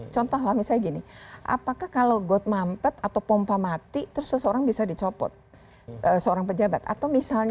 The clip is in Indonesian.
contohlah misalnya gini apakah kalau got mampet atau pompa mati terus seseorang bisa dicopot seorang pejabat atau misalnya